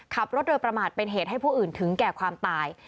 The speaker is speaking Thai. ขับรถโดยประมาทเป็นเหตุให้ผู้อื่นถึงแก่ความตาย